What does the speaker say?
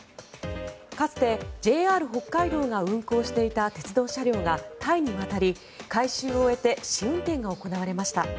かつて、ＪＲ北海道が運行していた鉄道車両がタイに渡り、改修を終えて試運転が行われました。